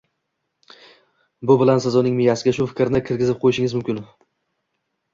Bu bilan siz uning miyasiga shu fikrni kirgizib qo‘yishingiz mumkin.